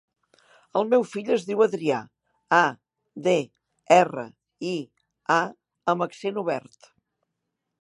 El meu fill es diu Adrià: a, de, erra, i, a amb accent obert.